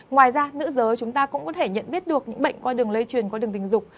ngoài ra nữ giới chúng ta cũng có thể nhận biết được những bệnh qua đường lây truyền qua đường tình dục